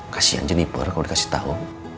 kasian jeniper kalau dikasih tahu